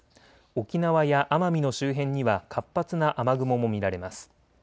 沖縄や奄美の周辺には活発な雨雲も見られます。